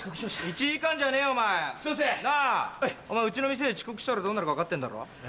お前うちの店で遅刻したらどうなるか分かってんだろ？